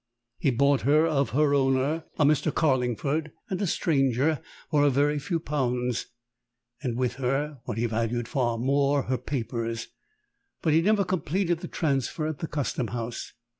He bought her of her owner a Mr. Carlingford, and a stranger for a very few pounds, and with her what he valued far more her papers; but he never completed the transfer at the Custom House.